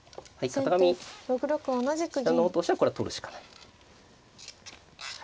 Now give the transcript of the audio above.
片上七段の方としてはこれは取るしかない。